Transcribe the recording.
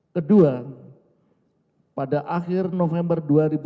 kedua pada akhir november dua ribu sembilan